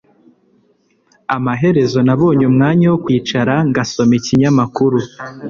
Amaherezo nabonye umwanya wo kwicara ngasoma ikinyamakuru